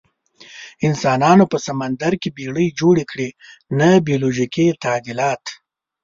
انسانانو په سمندر کې بیړۍ جوړې کړې، نه بیولوژیکي تعدیلات.